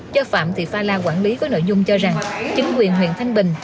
do phạm thị pha la quản lý với nội dung cho rằng chính quyền huyện thanh bình